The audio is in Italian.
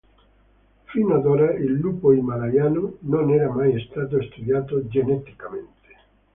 Fino ad ora il lupo himalayano non era mai stato studiato geneticamente.